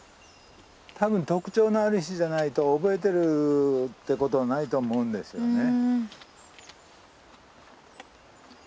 多分特徴のある石じゃないと覚えてるってことはないと思うんですよね。